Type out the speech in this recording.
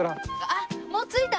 あっもう着いた！